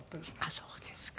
あっそうですか。